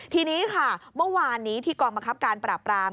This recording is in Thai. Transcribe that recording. ทีนี้ค่ะเมื่อวานนี้ที่กองบังคับการปราบราม